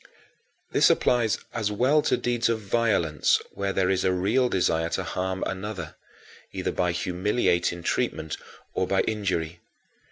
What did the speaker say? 16. This applies as well to deeds of violence where there is a real desire to harm another, either by humiliating treatment or by injury.